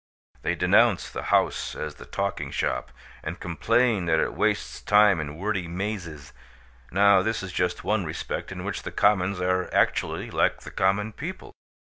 They denounce the House as the Talking Shop, and complain that it wastes time in wordy mazes. Now this is just one respect in which the Commons are actually like the Common People.